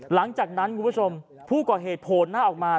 หลังจากนั้นคุณผู้ชมผู้ก่อเหตุโผล่หน้าออกมา